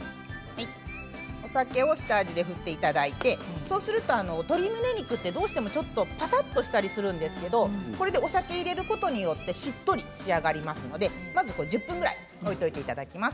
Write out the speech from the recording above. お酒を下味で振っていただいてそうすると鶏むね肉はどうしてもパサッとしたりするんですけどお酒を入れることによってしっとり仕上がりますのでまず１０分ぐらい置いておいていただきます。